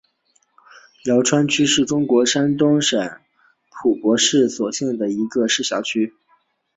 淄川区是中国山东省淄博市所辖的一个市辖区。